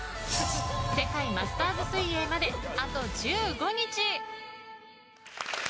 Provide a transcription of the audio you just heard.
世界マスターズ水泳まであと１５日。